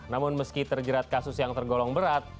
namun meski terjerat kasus yang tergolong berat